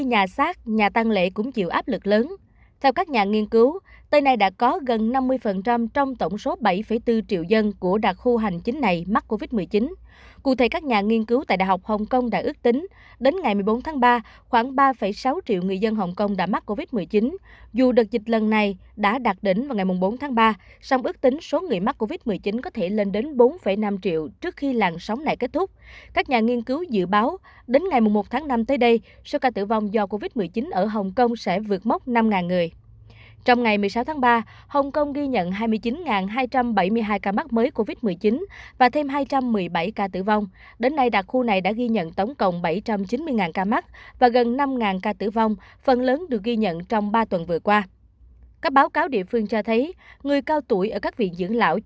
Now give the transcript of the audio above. nhiều người cao tuổi ở các viện dưỡng lão chiếm khoảng năm mươi chín số ca tử vong vì covid một mươi chín